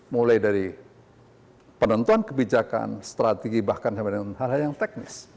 mulai dari penentuan kebijakan strategi bahkan sampai dengan hal hal yang teknis